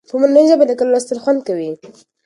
په مورنۍ ژبه لیکل او لوستل خوند کوي.